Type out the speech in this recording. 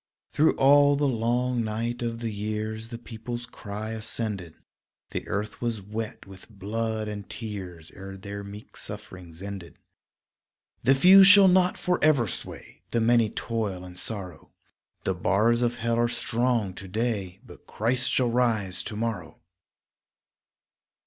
Through all the long night of the years The people's cry ascended; The earth was wet with blood and tears Ere their meek sufferings ended. The few shall not forever sway, The many toil in sorrow, The bars of hell are strong to day But Christ shall rise to morrow.